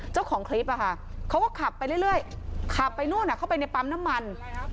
เจ้าของคลิปเขาก็ขับไปเรื่อยขับไปนู่นเข้าไปในปั๊มน้ำมัน